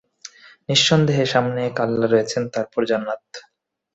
নিঃসন্দেহে সামনে এক আল্লাহ রয়েছেন তারপর জান্নাত।